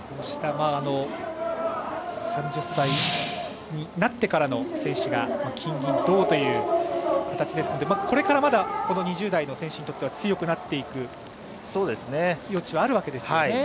３０歳になってからの選手が金、銀、銅という形ですのでこれからまだ２０代の選手にとっては強くなる余地はあるわけですよね。